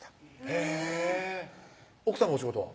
へぇ奥さまお仕事は？